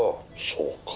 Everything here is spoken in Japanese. そうか。